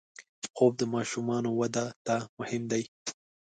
خوب د ماشومانو وده ته مهم دی